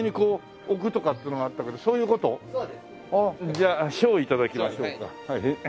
じゃあ小を頂きましょうか。